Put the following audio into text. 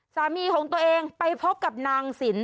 สามีของตัวเองไปพบกับนางสิน